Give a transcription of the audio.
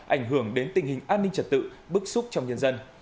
ảnh hưởng đến tình hình an ninh trật tự bức xúc trong nhân dân